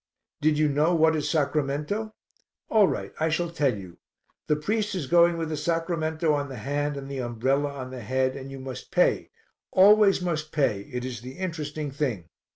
"Did you know what is sacramento? All right, I shall tell you. The priest is going with the sacramento on the hand and the umbrella on the head and you must pay always must pay, it is the interesting thing.